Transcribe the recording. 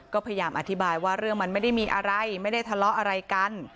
ก็พยายามอธิบายว่าเรื่องมันไม่ได้มีอะไรไม่ได้ทะเลาะอะไรกัน